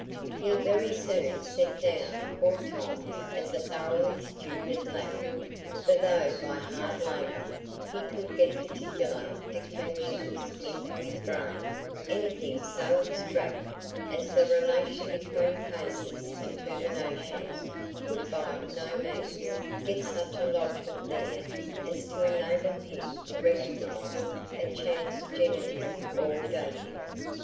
He very soon set down poor Tom as a thoroughly stupid lad; for though by hard labour he could get particular declensions into his brain, anything so abstract as the relation between cases and terminations could by no means get such a lodgment there as to enable him to recognise a chance genitive or dative.